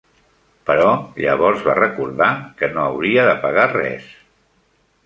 Però llavors va recordar que no hauria de pagar res.